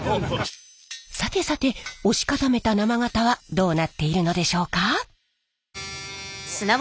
さてさて押し固めた生型はどうなっているのでしょうか？